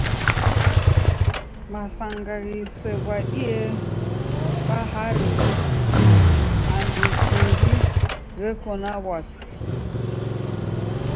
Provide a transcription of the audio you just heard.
Masanga ghisew'adie bahari andu kungi gheko na w'asi.